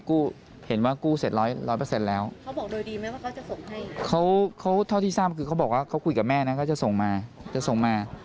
เขาคุยกับแม่เขาจะส่งมา